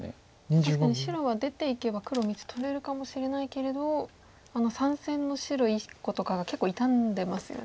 確かに白は出ていけば黒３つ取れるかもしれないけれどあの３線の白１個とかが結構傷んでますよね。